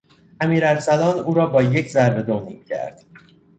امیر ارسلان او را با یک ضربه دو نیم کرد.